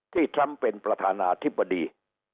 ๐๑ที่ท่ำเป็นประธานะธิบดี